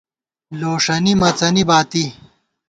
لوݭَنی مَڅنی باتی